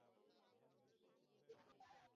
Lease, এটা শুধু পাঁচ মিনিটের ব্যাপার।